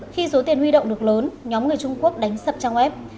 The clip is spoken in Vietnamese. khi số tiền huy động được lớn nhóm người trung quốc đánh sập trang web